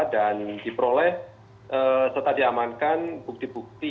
dan diperoleh serta diamankan bukti bukti